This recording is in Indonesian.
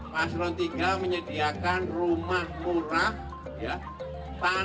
mas rontiga menyediakan rumah murah tanpa dp